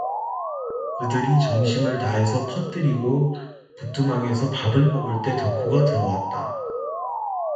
그들이 점심을 다 해서 퍼들이고 부뚜막에서 밥을 먹을 때 덕호가 들어왔다.